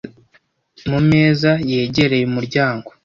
mu meza yegereye umuryango.